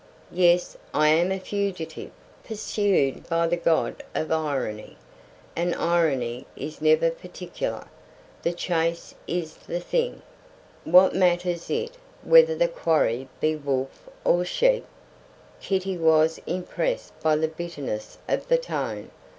"Yes; I am a fugitive, pursued by the god of Irony. And Irony is never particular; the chase is the thing. What matters it whether the quarry be wolf or sheep?" Kitty was impressed by the bitterness of the tone.